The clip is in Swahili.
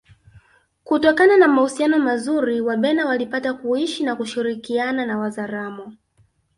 Kutokana na mahusiano mazuri Wabena walipata kuishi na kushirikiana na Wazaramo